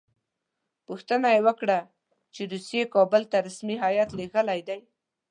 پوښتنه یې وکړه چې روسیې کابل ته رسمي هیات لېږلی دی.